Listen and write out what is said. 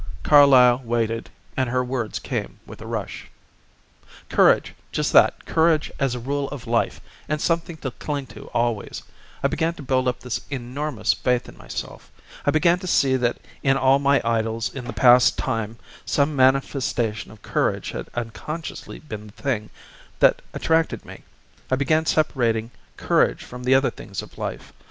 Carlyle waited and her words came with a rush. "Courage just that; courage as a rule of life, and something to cling to always. I began to build up this enormous faith in myself. I began to see that in all my idols in the past some manifestation of courage had unconsciously been the thing that attracted me. I began separating courage from the other things of life.